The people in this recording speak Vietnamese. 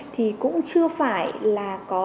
thì cũng chưa phải là có